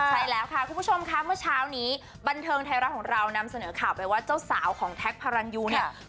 ใช่แล้วค่ะคุณผู้ชมค่ะเมื่อเช้านี้บันเทิงไทยรัฐของเรานำเสนอข่าวไปว่าเจ้าสาวของแท็กพารันยูเนี่ย